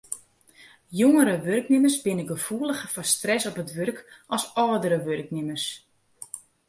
Jongere wurknimmers binne gefoeliger foar stress op it wurk as âldere wurknimmers.